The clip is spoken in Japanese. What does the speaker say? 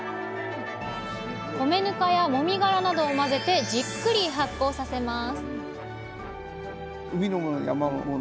米ぬかやもみがらなどを混ぜてじっくり発酵させます